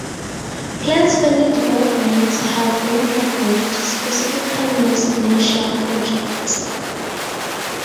Plans for new developments have been proposed, specifically residential projects.